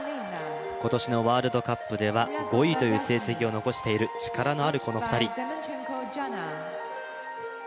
今年のワールドカップでは５位という成績を残している、力のあるこの２人。